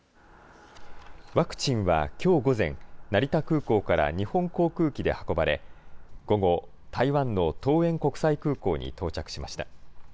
ワクチンはきょう午前、成田空港から日本航空機で運ばれ、午後、台湾の桃園国際空港に到着しました。